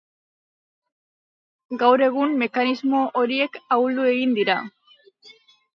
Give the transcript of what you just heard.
Gaur egun mekanismo horiek ahuldu egin dira.